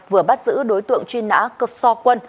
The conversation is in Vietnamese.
vừa bắt giữ đối tượng chuyên nã cô so quân